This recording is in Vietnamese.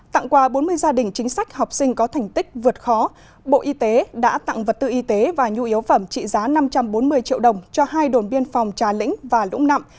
tặng quà bốn mươi gia đình chính sách học sinh có thành tích vượt khó bộ y tế đã tặng vật tư y tế và nhu yếu phẩm trị giá năm trăm bốn mươi triệu đồng cho hai đồn biên phòng trà lĩnh và lũng nặng